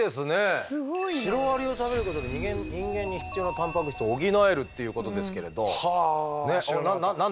シロアリを食べることで人間に必要なたんぱく質を補えるっていうことですけれど。